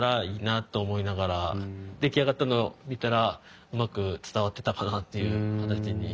出来上がったのを見たらうまく伝わってたかなっていう形に。